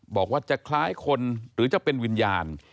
บอกว่าจะคล้ายคนหรือจะเป็นวิญญาณ